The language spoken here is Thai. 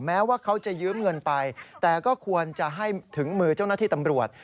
แม้ว่าเขาจะยืมเงินไปแต่ก็ควรจะให้ถึงมือเจ้าหน้าที่ตำรวจ